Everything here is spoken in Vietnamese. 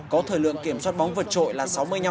có thời lượng kiểm soát bóng vượt trội là sáu mươi năm